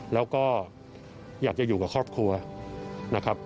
แล้วก็อยากจะอยู่กับครอบครัวนะครับ